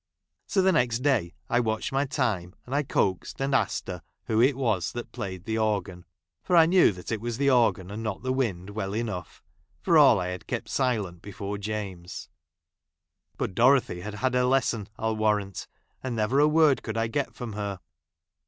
So, the next day, I Avatched my time, and I coaxed and asked her who it was that played the organ ; for I I knew that it was the organ and not the wind I well enough, for all I had kept silence before James. But Dorothy had had her lesson, I 'll warrant, and never a word could I get from her.